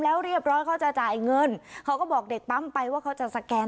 แล้วเรียบร้อยเขาจะจ่ายเงินเขาก็บอกเด็กปั๊มไปว่าเขาจะสแกน